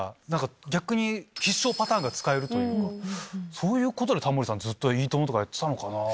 そういうことでタモリさん『いいとも！』やってたのかな。